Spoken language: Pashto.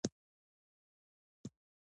ګلان مه شکولوئ